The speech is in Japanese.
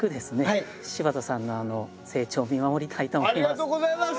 ありがとうございます！